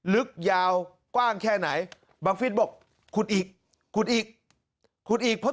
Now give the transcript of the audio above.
ลึกยาวกว้างแค่ไหนบังฟิศบอกขุดอีกขุดอีกขุดอีกเพราะ